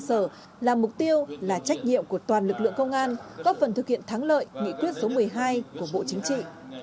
cơ sở là mục tiêu là trách nhiệm của toàn lực lượng công an góp phần thực hiện thắng lợi nghị quyết số một mươi hai của bộ chính trị